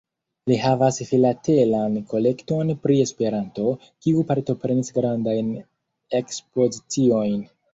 Li havas filatelan kolekton pri Esperanto, kiu partoprenis grandajn ekspoziciojn.